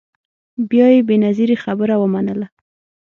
بیا یې بنظیري خبره ومنله